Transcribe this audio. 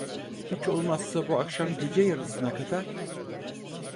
Hiç olmazsa bu akşam gece yarısına kadar?